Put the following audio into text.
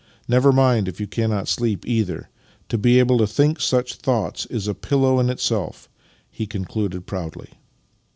Never mind if you cannot sleep, either. To be able to think such thoughts is a pillow in itself," he concluded proudly.